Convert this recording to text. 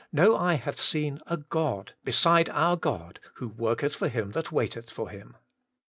no eye hath seen a God, beside our God, who worketh for him that waiteth for Him.